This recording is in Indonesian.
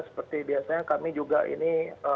seperti biasanya kami juga ini